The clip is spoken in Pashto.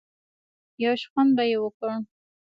يو شخوند به يې وکړ.